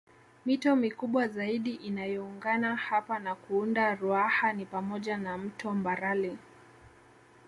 Mito mikubwa zaidi inayoungana hapa na kuunda Ruaha ni pamoja na mto Mbarali